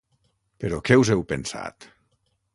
Però què us heu pensat?